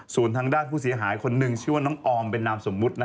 สูญทางด้านผู้เสียหายคนหนึ่งชื่อน้องออมแบรนด์นามสมมุตินะ